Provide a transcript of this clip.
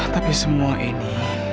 tapi semua ini